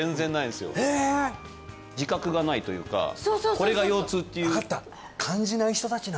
自覚がないというかこれが腰痛っていうちょっと！